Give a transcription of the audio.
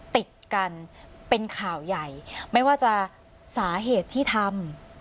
ติดกันเป็นข่าวใหญ่ไม่ว่าจะสาเหตุที่ทำ